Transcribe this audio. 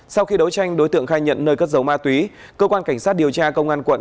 sau khi đấu tranh đối tượng khai nhận nơi cất giấu ma túy cơ quan cảnh sát điều tra công an quận